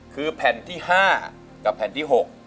คือแผ่นที่๕กับแผ่นที่๖